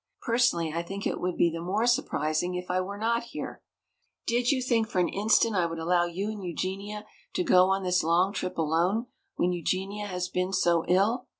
"Personally, I think it would be the more surprising if I were not here. Did you think for an instant I would allow you and Eugenia to go on this long trip alone, when Eugenia has been so ill?